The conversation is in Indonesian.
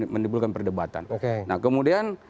menimbulkan perdebatan oke nah kemudian